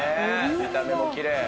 見た目もきれい。